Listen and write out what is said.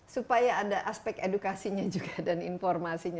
supaya ada aspek edukasinya juga dan informasinya